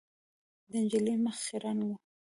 د نجلۍ مخ خیرن و .